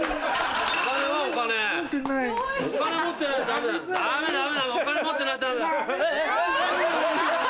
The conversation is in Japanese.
ダメダメダメお金持ってないと。